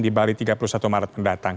di bali tiga puluh satu maret mendatang